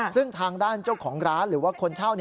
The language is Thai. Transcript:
ซึ่งทางด้านเจ้าของร้านหรือว่าคนเช่า